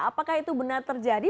apakah itu benar terjadi